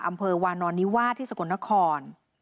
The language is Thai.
อำเภอวานอนิวสาทที่สะโคนนคร